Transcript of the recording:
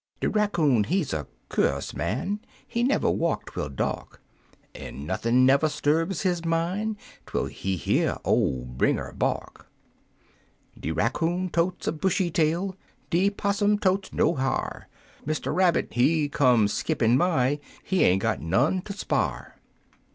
H H ■ De raccoon he's a cu'us man, N ^M m He never walk twel dark, 11 H En nuthin' never 'sturbs his min', Twcl he hear o!e Bringer bark. De raccoon totes a bushy tail, De 'possum totes no ha'r, Mr. Rabbit, he come skippin'by, He ain't got none ter spar".